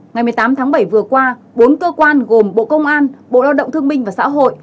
ngày một mươi tám tháng bảy vừa qua bốn cơ quan gồm bộ công an bộ lao động thương minh và xã hội